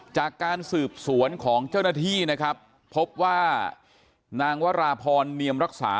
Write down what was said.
จากการสืบสวนของเจ้าหน้าที่นะครับพบว่านางวราพรเนียมรักษา